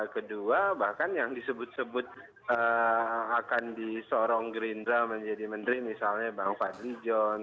kedua bahkan yang disebut sebut akan disorong gerindra menjadi menteri misalnya bang fadli john